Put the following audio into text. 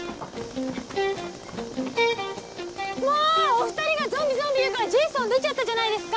お２人が「ゾンビゾンビ」言うからジェイソン出ちゃったじゃないですか！